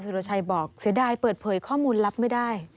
รชัยบอกเสียดายเปิดเผยข้อมูลรับไม่ได้